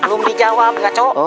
belum dijawab ya kawan